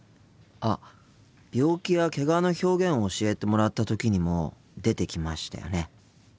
あっ病気やけがの表現を教えてもらった時にも出てきましたよね？